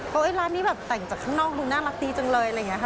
ร้านนี้แบบแต่งจากข้างนอกดูน่ารักดีจังเลยอะไรอย่างนี้ค่ะ